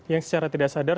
yang secara tidak sadar